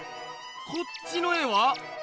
こっちの絵は？